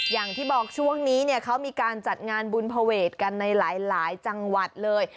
อย่างที่บอกช่วงนี้เนี่ยเขามีการจัดงานบุญภเวทกันในหลายจังหวัดเลย